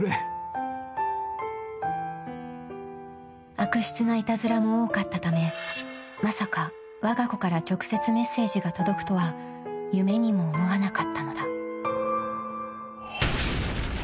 ［悪質ないたずらも多かったためまさかわが子から直接メッセージが届くとは夢にも思わなかったのだ］